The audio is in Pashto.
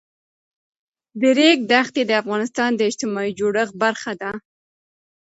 د ریګ دښتې د افغانستان د اجتماعي جوړښت برخه ده.